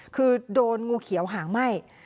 คือโดนงูเขียวหางไหม้